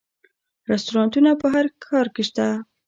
رستورانتونه په هر ښار کې شته